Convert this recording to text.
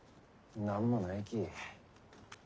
何もないき。